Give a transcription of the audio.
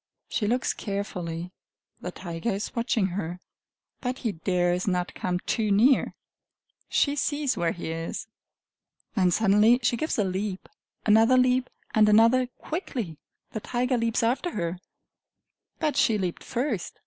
She looks carefully: the tiger is watching her, but he dares not come too near. She sees where he is then suddenly she gives a leap another leap and another quickly! The tiger leaps after her but she leaped first!